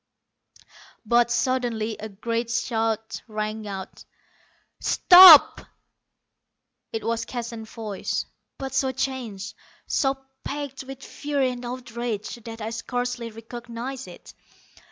But suddenly a great shout rang out. "Stop!" It was Keston's voice, but so changed, so packed with fury and outrage, that I scarcely recognized it.